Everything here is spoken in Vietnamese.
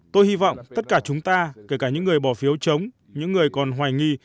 tôi hy vọng tất cả chúng ta kể cả những người bỏ phiếu chống những người còn hoài nghi